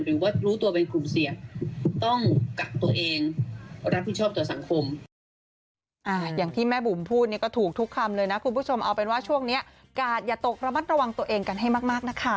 หรือว่ารู้ตัวเป็นกลุ่มเสี่ยงต้องกักตัวเองรับผิดชอบต่อสังคม